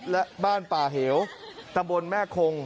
และบ้านป่าเหวตำบลแม่คง